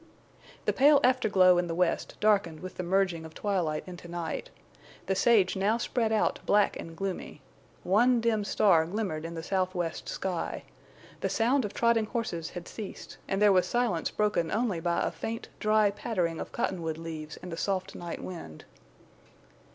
The pale afterglow in the west darkened with the merging of twilight into night. The sage now spread out black and gloomy. One dim star glimmered in the southwest sky. The sound of trotting horses had ceased, and there was silence broken only by a faint, dry pattering of cottonwood leaves in the soft night wind.